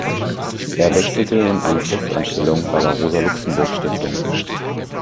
Er wechselte in eine Festanstellung bei der Rosa-Luxemburg-Stiftung.